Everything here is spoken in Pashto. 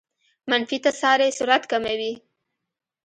منفي تسارع سرعت کموي.